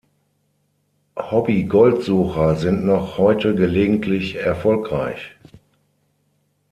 Hobby Goldsucher sind noch heute gelegentlich erfolgreich.